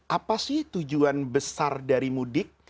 apa sih tujuan besar dari mudik